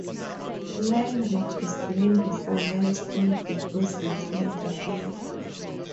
Lime Ridge is named for limestone deposits in the area.